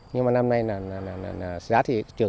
nhưng mà năm nay giá thì trừ